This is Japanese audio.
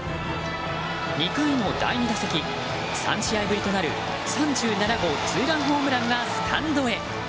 ２回の第２打席３試合ぶりとなる３７号ツーランホームランがスタンドへ。